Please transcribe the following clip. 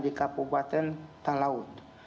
di kabupaten talaut